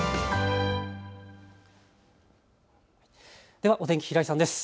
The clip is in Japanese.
ではお天気、平井さんです。